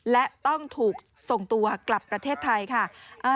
และต้องถูกส่งตัวกลับประเทศไทยค่ะ